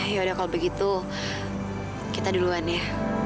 yaudah kalau begitu kita duluan ya